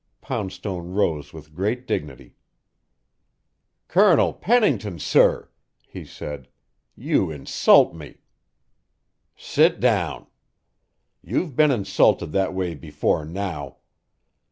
Poundstone rose with great dignity. "Colonel Pennington, sir," he said, "you insult me." "Sit down. You've been insulted that way before now.